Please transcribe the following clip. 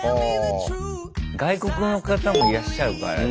外国の方もいらっしゃるからね。